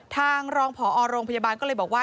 ทางรองผอโรงพยาบาลก็เลยบอกว่า